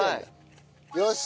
よし！